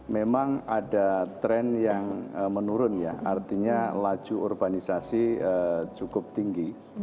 memang ada tren yang menurun ya artinya laju urbanisasi cukup tinggi